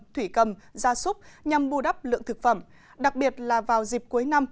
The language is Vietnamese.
thủy cầm da súp nhằm bù đắp lượng thực phẩm đặc biệt là vào dịp cuối năm